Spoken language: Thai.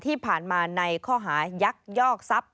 ที่ผ่านมาในข้อหายักยอกทรัพย